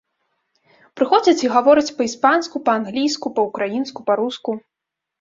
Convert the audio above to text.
Прыходзяць і гавораць па-іспанску, па-англійску, па-ўкраінску, па-руску.